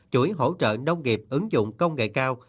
chuỗi hỗ trợ nông nghiệp ứng dụng công nghệ cao